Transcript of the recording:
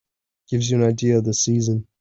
Gives you an idea of the season.